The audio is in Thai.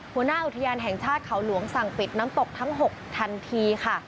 หัวหน้าอุทยานแห่งชาติเขาหลวงสั่งปิดน้ำตกทั้ง๖ทันทีค่ะ